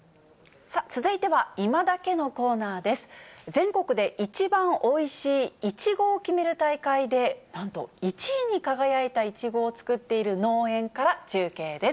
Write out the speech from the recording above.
全国で一番おいしいいちごを決める大会で、なんと１位に輝いたいちごを作っている農園から中継です。